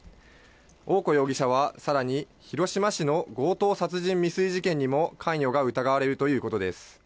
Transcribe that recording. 大古容疑者はさらに広島市の強盗殺人未遂事件にも関与が疑われるということです。